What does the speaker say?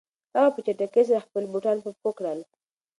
هغه په چټکۍ سره خپلې بوټان په پښو کړل.